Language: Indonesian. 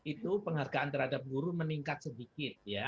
itu penghargaan terhadap guru meningkat sedikit ya